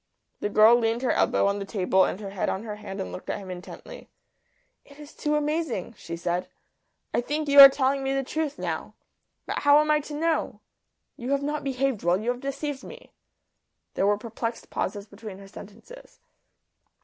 The girl leaned her elbow on the table and her head on her hand and looked at him intently. "It is too amazing," she said. "I think you are telling me the truth now. But how am I to know? You have not behaved well. You have deceived me." There were perplexed pauses between her sentences.